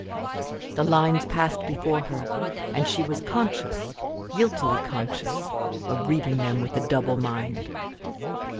The lines passed before her, and she was conscious, guiltily conscious, of reading them with a double mind.